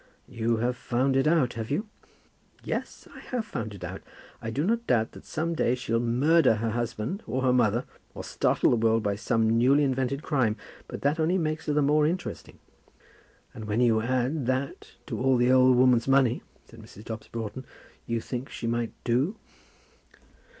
"You have found it out, have you?" "Yes, I have found it out. I do not doubt that some day she'll murder her husband or her mother, or startle the world by some newly invented crime; but that only makes her the more interesting." "And when you add to that all the old woman's money," said Mrs. Dobbs Broughton, "you think that she might do?"